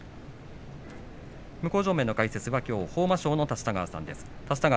向正面の解説はきょうは豊真将の立田川さんです。